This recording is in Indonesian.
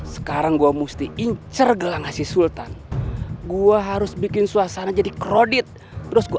sekarang gua musti incer gelang asyik sultan gua harus bikin suasana jadi krodit terus